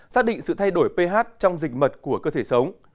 xác định sự thay đổi ph trong dịch mật của cơ thể sống